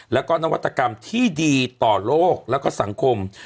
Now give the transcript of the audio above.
และนวัตกรรมที่ดีต่อโลกและสังคม